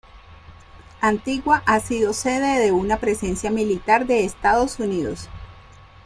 Antigua ha sido sede de una presencia militar de Estados Unidos.